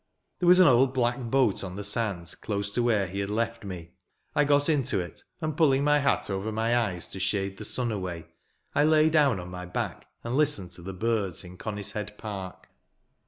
There was an old black boat on the sands, close to where he had left me. I got into it, and, pulling my hat over my eyes to shade the sun away, I lay down on my back and listened to the birds in Conishead Park.